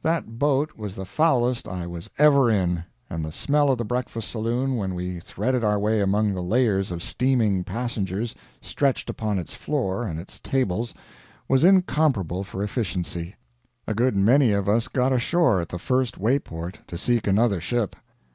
That boat was the foulest I was ever in; and the smell of the breakfast saloon when we threaded our way among the layers of steaming passengers stretched upon its floor and its tables was incomparable for efficiency. A good many of us got ashore at the first way port to seek another ship.